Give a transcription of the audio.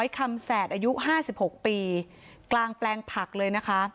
คำแสดอายุห้าสิบหกปีกลางแปลงผักเลยนะคะ